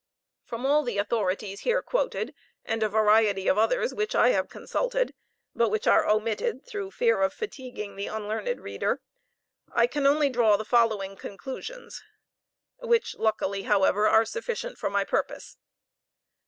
From all the authorities here quoted, and a variety of others which I have consulted, but which are omitted through fear of fatiguing the unlearned reader, I can only draw the following conclusions, which luckily, however, are sufficient for my purpose.